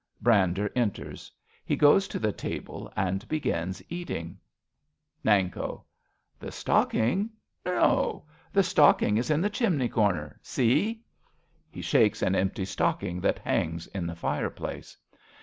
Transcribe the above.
(Brander enters. He goes to the table and begins eating.) 34 A BELGIAN CHRISTMAS EVE Nanko. The stocking? No! The stocking is in the chimney corner, see. {He shakes an empty stocking that hangs in the fire place.)